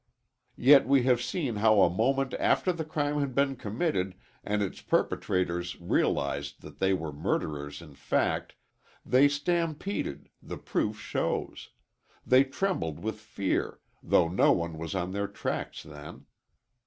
Yet we have seen how a moment after the crime had been committed and its perpetrators realized that they were murderers in fact, they "stampeded," the proof shows; they trembled with fear, though no one was on their tracks then.